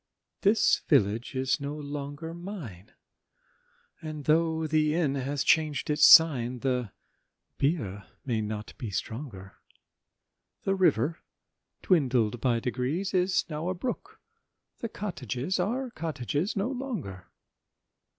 This village is no longer mine; And though the inn has chang'd its sign, The beer may not be stronger: The river, dwindled by degrees, Is now a brook,—the cottages Are cottages no longer.